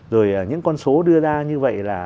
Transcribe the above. rồi những con số đưa ra như vậy là